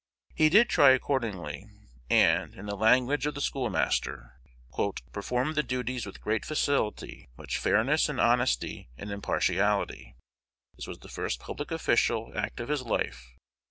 He did try accordingly, and, in the language of the schoolmaster, "performed the duties with great facility, much fairness and honesty and impartiality. This was the first public official act of his life.